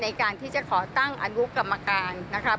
ในการที่จะขอตั้งอนุกรรมการนะครับ